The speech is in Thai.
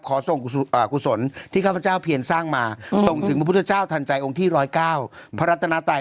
ขอส่งอ่ากุศลที่ข้าพเจ้าเพียญสร้างมาเขาถึง๙๙พระนัตนไตค์